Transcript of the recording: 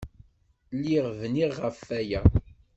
Lliɣ bniɣ ɣef waya!